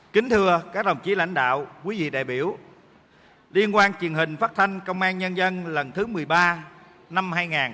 kính thưa các đồng chí lãnh đạo quý vị đại biểu liên quan truyền hình phát thanh công an nhân dân lần thứ một mươi ba năm hai nghìn hai mươi ba